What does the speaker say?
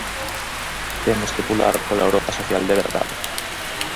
Temos que pular pola Europa social de verdade.